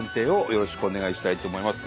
よろしくお願いします。